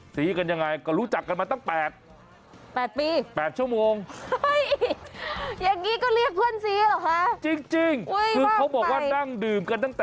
ซีกันยังไงก็รู้จักกันมาตั้ง๘